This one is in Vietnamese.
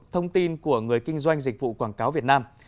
thông tin của người kinh doanh dịch vụ quảng cáo việt nam